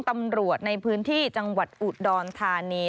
ตำรวจในพื้นที่จังหวัดอุดรธานี